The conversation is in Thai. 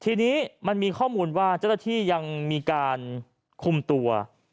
ทีนี้มันมีข้อมูลว่าเจ้าหน้าที่ยังมีการคุมตัว